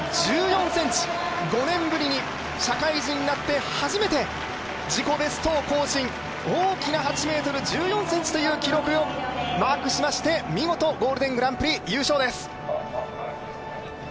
８ｍ１４ｃｍ、５年ぶりに社会人になって初めて自己ベストを更新、大きな８ｍ１４ｃｍという記録をマークしまして見事ゴールデングランプリ優勝です。